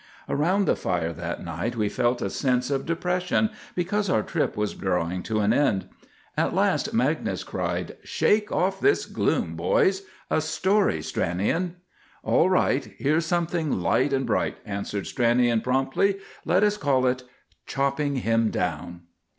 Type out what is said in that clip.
Around the fire that night we felt a sense of depression because our trip was drawing to an end. At last Magnus cried,— "Shake off this gloom, boys. A story, Stranion!" "All right; here's something light and bright," answered Stranion promptly. "Let us call it— 'CHOPPING HIM DOWN.